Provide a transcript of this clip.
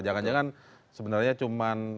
jangan jangan sebenarnya cuma